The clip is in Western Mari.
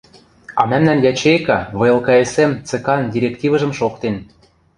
а мӓмнӓн ячейка ВЛКСМ ЦК-н директивӹжӹм шоктен.